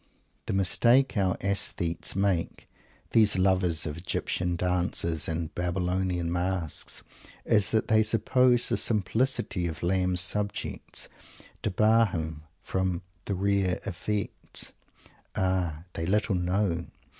The mistake our "aesthetes" made, these lovers of Egyptian dancers and Babylonian masks, is that they suppose the simplicity of Lamb's subjects debar him from the rare effects. Ah! They little know!